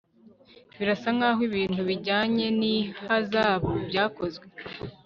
Birasa nkaho ibintu bijyanye nihazabu byakozwe